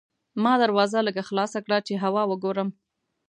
ما دروازه لږه خلاصه کړه چې هوا وګورم.